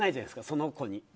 その子に。